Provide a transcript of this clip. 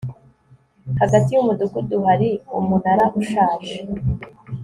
hagati yumudugudu hari umunara ushaje